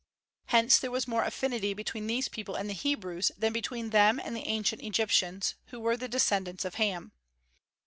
Hence there was more affinity between these people and the Hebrews than between them and the ancient Egyptians, who were the descendants of Ham.